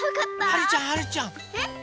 はるちゃんはるちゃん。